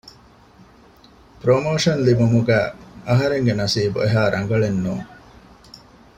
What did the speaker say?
ޕްރޮމޯޝަން ލިބުމުގައި އަހަރެންގެ ނަސީބު އެހާރަނގަޅެއް ނޫން